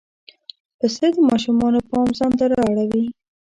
پسه د ماشومانو پام ځان ته را اړوي.